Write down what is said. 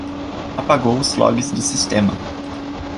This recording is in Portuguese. Apagou os logs do sistema.